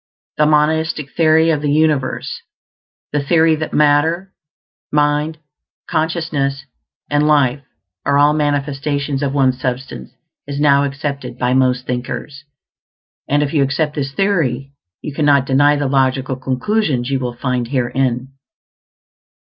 The monistic theory of the universe the theory that matter, mind, consciousness, and life are all manifestations of one Substance is now accepted by most thinkers; and if you accept this theory, you cannot deny the logical conclusions you will find herein.